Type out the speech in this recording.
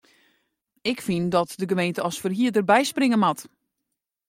Ik fyn dat de gemeente as ferhierder byspringe moat.